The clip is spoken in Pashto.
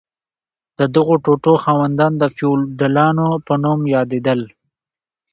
د دغو ټوټو خاوندان د فیوډالانو په نوم یادیدل.